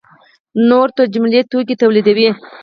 نور تجملي توکي تولیدوي.